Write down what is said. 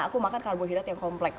aku makan karbohidrat yang kompleks